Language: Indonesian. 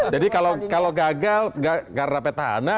jadi kalau gagal karena petahana